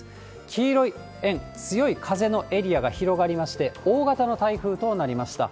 黄色い円、強い風のエリアが広がりまして、大型の台風となりました。